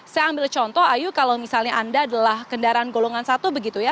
saya ambil contoh ayu kalau misalnya anda adalah kendaraan golongan satu begitu ya